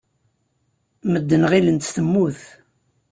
Medden ɣilen-tt temmut.